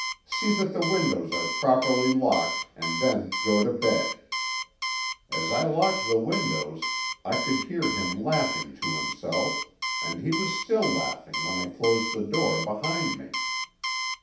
See that the windows are properly locked and then go to bed.' As I locked the windows I could hear him laughing to himself, and he was still laughing when I closed the door behind me."